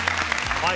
はい。